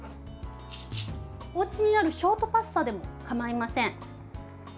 おうちにあるショートパスタでもかまいません。